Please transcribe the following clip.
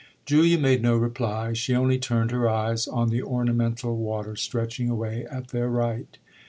Julia made no reply; she only turned her eyes on the ornamental water stretching away at their right.